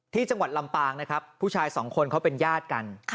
ที่จังหวัดลำปางนะครับผู้ชายสองคนเขาเป็นญาติกัน